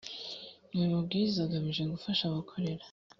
aya mabwiriza agamije gufasha abakorera